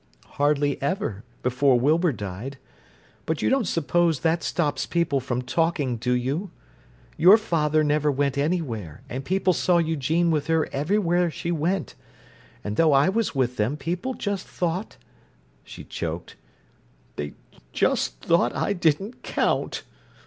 "Hardly ever, before Wilbur died. But you don't suppose that stops people from talking, do you? Your father never went anywhere, and people saw Eugene with her everywhere she went—and though I was with them people just thought"—she choked—"they just thought I didn't count!